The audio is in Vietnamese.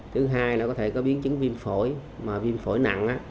thứ hai là có thể có biến chứng viêm phổi mà viêm phổi nặng